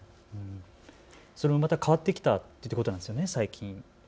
それも変わってきたということなんですよね、最近。